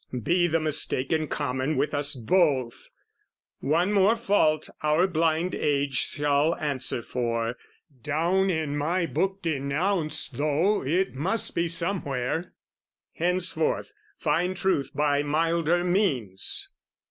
"Be the mistake in common with us both! " One more fault our blind age shall answer for, "Down in my book denounced though it must be "Somewhere. Henceforth find truth by milder means!"